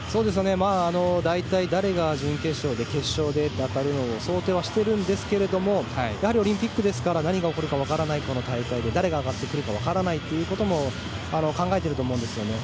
大体、誰が準決勝で決勝で当たるかと想定はしてるんですがやはりオリンピックですから何が起こるかわからないこの大会で誰が上がってくるかわからないということも考えてると思うんですよね。